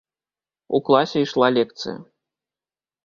У класе ішла лекцыя.